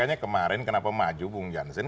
makanya kemarin kenapa maju bung jansen